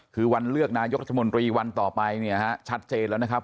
คือวันเลือกนายกรัฐมนตรีวันต่อไปเนี่ยฮะชัดเจนแล้วนะครับ